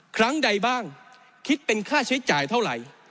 ครั้งใดบ้างคิดเป็นค่าใช้จ่ายเท่าไหร่